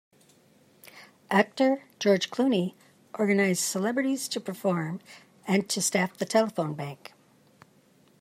Actor George Clooney organized celebrities to perform and to staff the telephone bank.